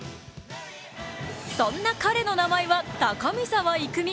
そんな彼の名前は高見澤郁魅